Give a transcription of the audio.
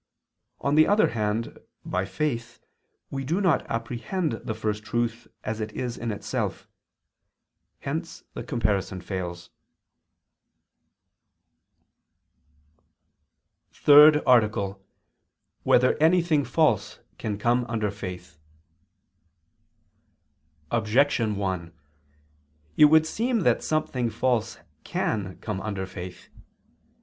On the other hand, by faith, we do not apprehend the First Truth as it is in itself. Hence the comparison fails. _______________________ THIRD ARTICLE [II II, Q. 1, Art. 3] Whether Anything False Can Come Under Faith? Objection 1: It would seem that something false can come under faith.